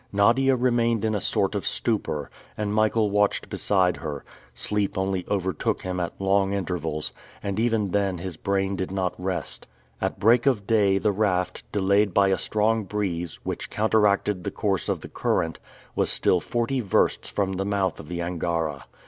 Nadia remained in a sort of stupor, and Michael watched beside her; sleep only overtook him at long intervals, and even then his brain did not rest. At break of day, the raft, delayed by a strong breeze, which counteracted the course of the current, was still forty versts from the mouth of the Angara.